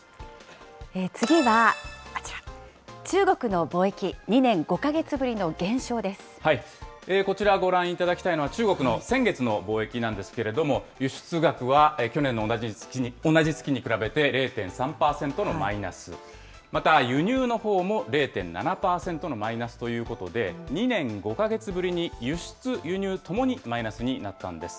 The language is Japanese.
次はあちら、中国の貿易、こちら、ご覧いただきたいのは、中国の先月の貿易なんですけれど、輸出額は去年の同じ月に比べて０．３％のマイナス、また輸入のほうも０．７％のマイナスということで、２年５か月ぶりに輸出、輸入ともにマイナスになったんです。